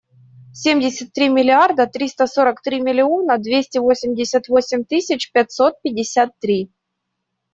Семьдесят три миллиарда триста сорок три миллиона двести восемьдесят восемь тысяч пятьсот пятьдесят три.